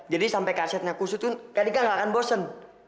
jadi sampe kasetnya kusut tuh kak dika gak akan bosen